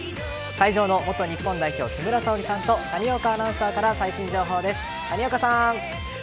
会場の元日本代表・木村沙織さんと谷岡アナウンサーから最新情報です。